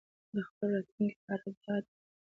خلک د خپل راتلونکي په اړه ډاډه وي.